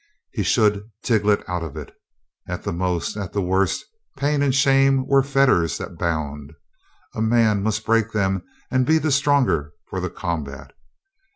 He should tiglit out of it. At the most, at the worst, pain and shame were fetters that bound. A man must break them and be the stronger for the combat.